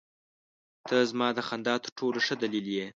• ته زما د خندا تر ټولو ښه دلیل یې.